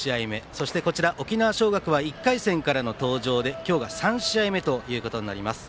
そして沖縄尚学は１回戦からの登場で今日が３試合目となります。